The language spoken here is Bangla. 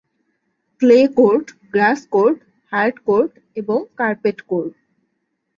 Clay court, grass court, hard court এবং কার্পেট কোর্ট।